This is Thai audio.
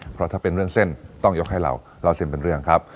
เพราะถ้าเป็นเรื่องเส้นต้องยกให้เราเล่าเส้นเป็นเรื่องครับ